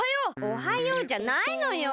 「おはよう」じゃないのよ！